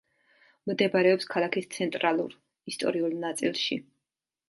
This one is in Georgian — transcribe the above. მდებარეობს ქალაქის ცენტრალურ ისტორიულ ნაწილში.